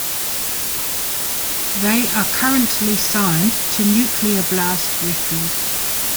They are currently signed to Nuclear Blast records.